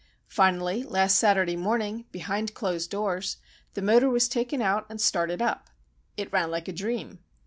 Finally, last Saturday morning, behind closed doors, the motor was taken out and started up. It ran like a dream.